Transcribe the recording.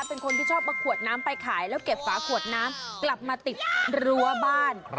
เป็นคนที่ชอบเอาขวดน้ำไปขายแล้วเก็บฝาขวดน้ำกลับมาติดรั้วบ้าน